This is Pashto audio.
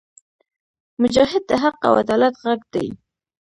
مجاهد د حق او عدالت غږ دی.